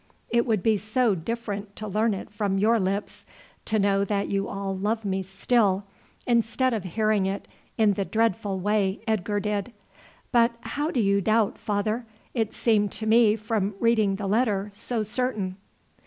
It would be so different to learn it from your lips, to know that you all love me still, instead of hearing it in the dreadful way Edgar did. But how do you doubt, father? It seemed to me from reading the letter so certain."